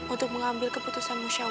untuk mengambil keputusan musyawarah